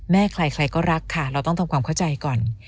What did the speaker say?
ใครใครก็รักค่ะเราต้องทำความเข้าใจก่อน